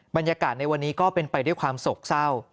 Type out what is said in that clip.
บรรยากาศในวันนี้ก็เป็นไปด้วยความโศกเศร้า